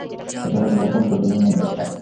এটা হল digital control রুমের মূল দল, স্যার।